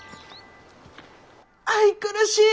愛くるしい！